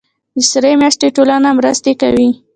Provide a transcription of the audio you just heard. د سرې میاشتې ټولنه مرستې کوي